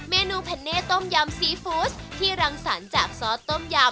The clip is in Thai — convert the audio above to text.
เมนูแผ่นเน่ต้มยำซีฟู้ดที่รังสรรค์จากซอสต้มยำ